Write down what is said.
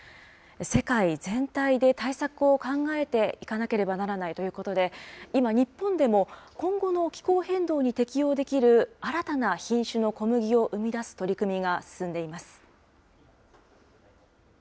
世界全体で対策を考えていかなければならないということで、今、日本でも今後の気候変動に適応できる新たな品種の小麦を生み出す取り組みが進んでいます。